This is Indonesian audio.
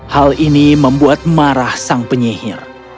hal ini membuat marah sang penyihir